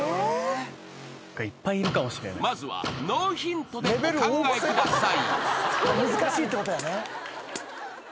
［まずはノーヒントでお考えください］